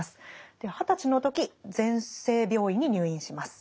で二十歳の時全生病院に入院します。